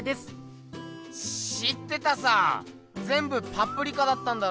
知ってたさぜんぶパプリカだったんだろ？